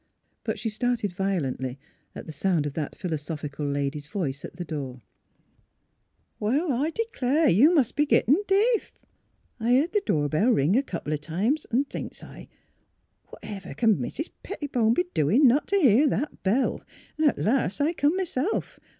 But she started violently at sound of that philosophical lady's voice at the door: '' Well, I d'clare; you must be gittin' deef ! I heerd th' door bell ring a couple o' times, 'n' thinks s'l, whatever c'n Mis' Pettibone be doin' not t' hear that bell! At last I come m 'self.